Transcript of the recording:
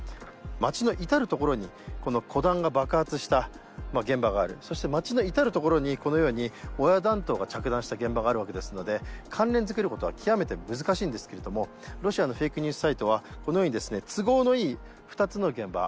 町の至る所に小弾が爆発した現場があるそして町の至る所にこのように親弾頭が着弾した現場があるわけですので関連づけることは極めて難しいんですけれどもロシアのフェイクニュースサイトはこのようにですね都合のいい２つの現場